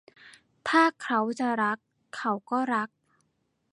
ถ้าเขาจะรัก เขาก็รัก